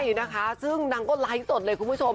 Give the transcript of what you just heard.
นี่นะคะซึ่งนางก็ไลฟ์สดเลยคุณผู้ชม